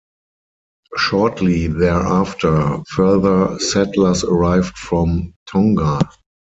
Shortly thereafter, further settlers arrived from Tonga.